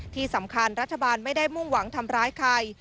ที่สำคัญรัฐบาลไม่ได้มุ่งหวังทำร้ายใคร